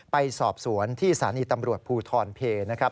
ไปสอบสวนที่สถานีตำรวจภูทรเพนะครับ